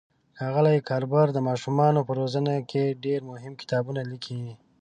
ښاغلي ګاربر د ماشومانو په روزنه کې ډېر مهم کتابونه لیکلي.